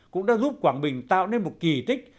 cũng đã giúp quảng bình tạo nên một kỳ tích